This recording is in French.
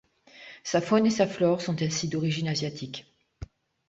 Sa faune et sa flore sont ainsi d'origine asiatique.